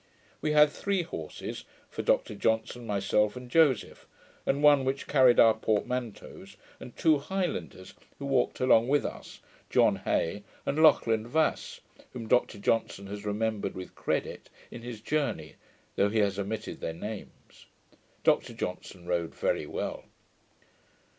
We had three horses, for Dr Johnson, myself, and Joseph, and one which carried our portmanteaus, and two Highlanders who walked along with us, John Hay and Lauchland Vass, whom Dr Johnson has remembered with credit in his Journey, though he has omitted their names. Dr Johnson rode very well.